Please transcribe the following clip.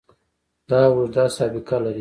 دا اوږده سابقه لري.